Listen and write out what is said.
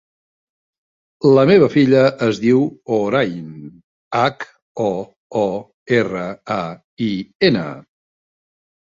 La meva filla es diu Hoorain: hac, o, o, erra, a, i, ena.